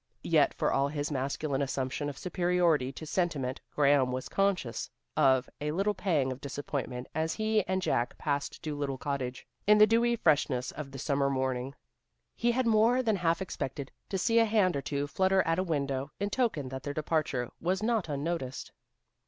Yet for all his masculine assumption of superiority to sentiment Graham was conscious of a little pang of disappointment as he and Jack passed Dolittle Cottage, in the dewy freshness of the summer morning. He had more than half expected to see a hand or two flutter at a window, in token that their departure was not unnoticed.